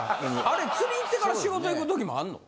あれ釣り行ってから仕事行くときもあんの？